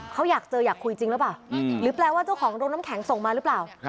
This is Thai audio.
เขาอยากเจออยากคุยจริงหรือเปล่าหรือแปลว่าเจ้าของโรงน้ำแข็งส่งมาหรือเปล่า